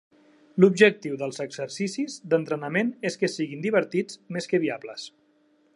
L'objectiu dels exercicis d'entrenament és que siguin divertits, més que viables.